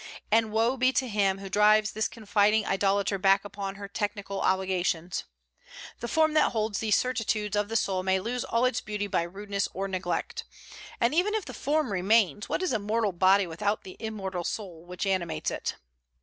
And woe be to him who drives this confiding idolater back upon her technical obligations! The form that holds these certitudes of the soul may lose all its beauty by rudeness or neglect. And even if the form remains, what is a mortal body without the immortal soul which animates it?